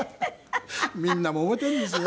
みんなもめてるんですね。